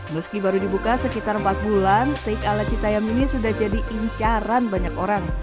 meski baru dibuka sekitar empat bulan steak ala citayam ini sudah jadi incaran banyak orang